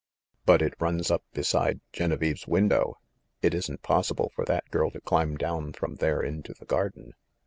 "But it runs up beside Genevieve's window ! It isn't possible for that girl to climb down from there into the garden."